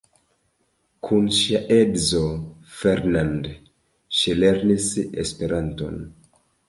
Kun ŝia edzo Fernand ŝi lernis Esperanton.